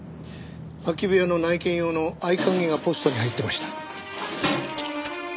空き部屋の内見用の合鍵がポストに入ってました。